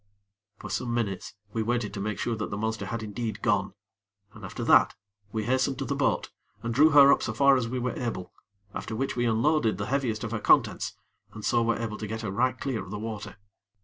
For some minutes we waited to make sure that the monster had indeed gone, and after that, we hastened to the boat, and drew her up so far as we were able; after which we unloaded the heaviest of her contents, and so were able to get her right clear of the water.